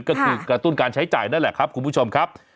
ก็คือกระตุ้นการใช้จ่ายนั่นแหละครับคุณผู้ชมครับ